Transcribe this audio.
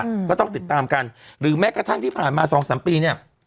อืมก็ต้องติดตามกันหรือแม้กระทั่งที่ผ่านมาสองสามปีเนี้ย